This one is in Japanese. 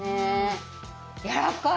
やわらかい。